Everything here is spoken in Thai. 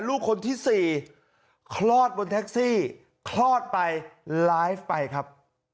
ลูกคนที่๔คลอดบนแท็กซี่คลอดไปไลฟ์ไปครับ